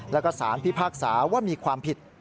แล้วก็สารพิพากษาว่ามีความผิด